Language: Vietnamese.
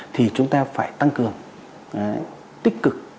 thì chúng ta phải tăng cường tích cực